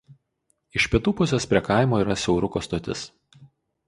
Iš pietų pusės prie kaimo yra siauruko stotis.